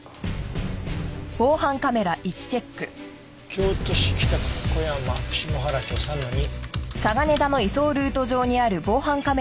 京都市北区小山下原町３‐２。